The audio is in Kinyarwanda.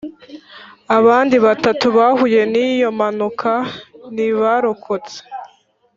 abandi bantu bahuye n iyo mpanuka ntibarokotse